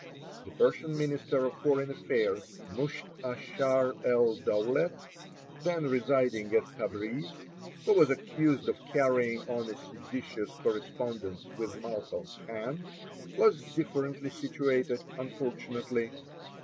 The Persian Minister of Foreign Affairs, Musht a Shar el Dowlet, 82 Across Asia on a Bicycle [911 then residing at Tabreez, who was accused of carrying on a seditious correspondence with Malcolm Khan, was differently situated, unfortunately.